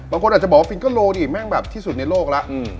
บางคนอาจจะบอกว่าฟิงเกอร์โลดิแม่งแบบที่สุดในโลกแล้ว